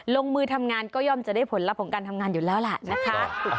ลงมือทำงานก็ย่อมจะได้ผลลัพธ์ของการทำงานอยู่แล้วล่ะนะคะ